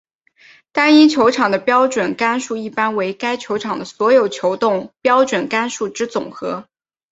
单一球场的标准杆数一般为该球场的所有球洞标准杆数之总和。